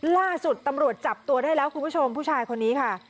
ล่าสุดตำรวจจับตัวได้แล้วคุณผู้ชมผู้ชายคนนี้ค่ะ